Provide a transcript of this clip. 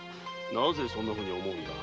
なぜそんなふうに思うんだ？